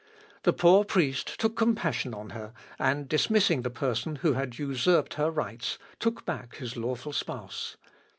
The poor priest took compassion on her, and dismissing the person who had usurped her rights, took back his lawful spouse.